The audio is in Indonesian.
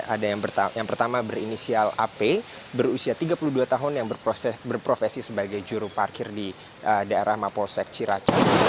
ada yang pertama berinisial ap berusia tiga puluh dua tahun yang berprofesi sebagai juru parkir di daerah mapolsek ciraca